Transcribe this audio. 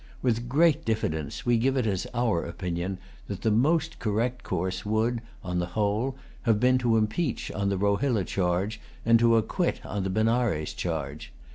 With great diffidence, we give it as our opinion that the most correct course would, on the whole, have been to impeach on the Rohilla charge, and to acquit on the Benares charge.